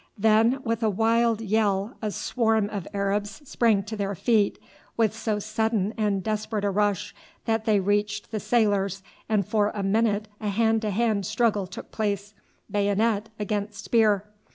Then with a wild yell a swarm of Arabs sprang to their feet, with so sudden and desperate a rush that they reached the sailors, and for a minute a hand to hand struggle took place bayonet against spear.